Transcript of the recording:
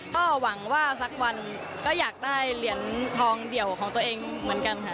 ก็หวังว่าสักวันก็อยากได้เหรียญทองเดี่ยวของตัวเองเหมือนกันค่ะ